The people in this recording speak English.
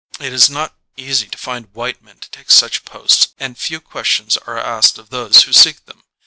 It is not easy to find white men to take such posts and few questions are asked of those who seek them.